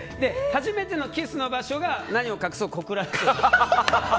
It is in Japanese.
初めてのキスの場所が何を隠そう、小倉城で。